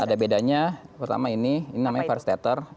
ada bedanya pertama ini ini namanya firestater